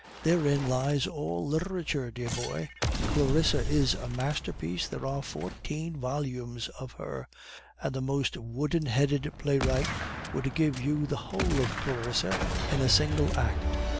"Therein lies all literature, dear boy. Clarissa is a masterpiece, there are fourteen volumes of her, and the most wooden headed playwright would give you the whole of Clarissa in a single act.